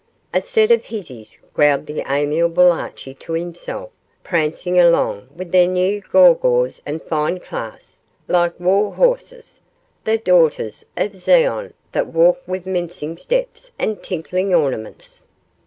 'A set o' hizzies,' growled the amiable Archie to himself, 'prancin' alang wi' their gew gaws an' fine claes, like war horses the daughters o' Zion that walk wi' mincin' steps an' tinklin' ornaments.